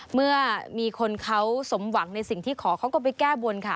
เมื่อมีคนเขาสมหวังในสิ่งที่ขอเขาก็ไปแก้บนค่ะ